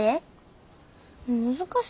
難しいわ。